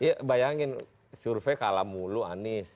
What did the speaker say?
ya bayangin survei kalah mulu anies